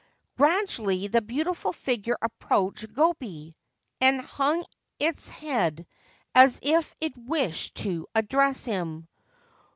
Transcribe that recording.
Gradually the beautiful figure approached Gobei, and hung its head, as if it wished to address him.